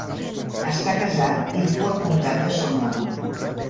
Està casat i viu al comtat de Sonoma.